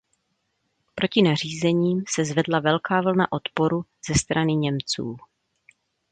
Proti nařízením se zvedla velká vlna odporu ze strany Němců.